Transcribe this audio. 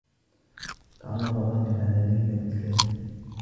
تعرّف فاضل على ليلى بالكاد.